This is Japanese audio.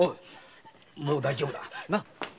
もう大丈夫だ。